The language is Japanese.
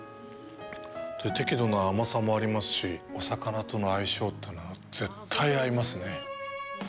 適度な甘さもありますし、お魚との相性というのは絶対、合いますね。